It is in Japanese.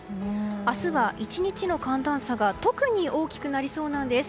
明日は１日の寒暖差が特に大きくなりそうなんです。